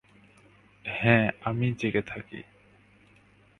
হ্যাঁ, আমি জেগেই থাকি।